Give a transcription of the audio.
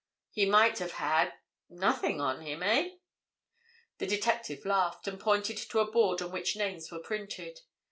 He might have had—nothing on him, eh?" The detective laughed, and pointed to a board on which names were printed.